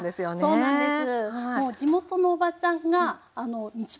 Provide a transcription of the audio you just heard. そうなんです。